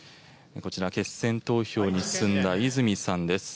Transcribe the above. こちら、決選投票に進んだ泉さんです。